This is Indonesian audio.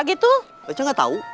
gitu aja nggak tahu